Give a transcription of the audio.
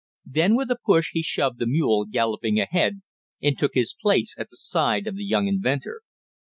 Then, with a push, he shoved the mule galloping ahead, and took his place at the side of the young inventor.